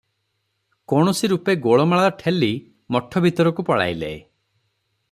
କୌଣସି ରୂପେ ଗୋଳମାଳ ଠେଲି ମଠ ଭିତରକୁ ପଳାଇଲେ ।